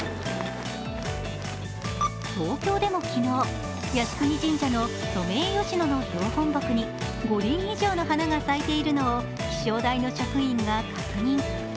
東京でも昨日、靖国神社のソメイヨシノの標本木に５輪以上の花が咲いているのを気象台の職員が確認。